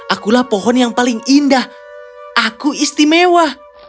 akulah pohon yang paling indah aku istimewa